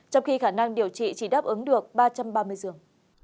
trong khi khả năng điều trị chỉ đáp ứng được ba trăm ba mươi giường